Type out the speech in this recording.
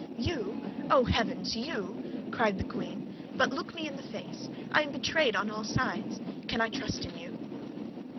"You, oh, heaven, you!" cried the queen; "but look me in the face. I am betrayed on all sides. Can I trust in you?"